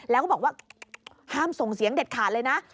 แล้วก็บอกว่าห้ามส่งเสียงเด็ดขาดเลยนะ